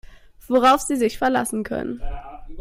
Worauf Sie sich verlassen können.